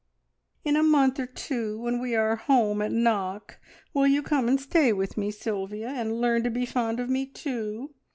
"In a month or two, when we are home at Knock, will you come and stay with me, Sylvia, and learn to be fond of me too?